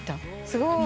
すごい。